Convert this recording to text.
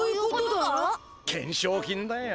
懸賞金だよ。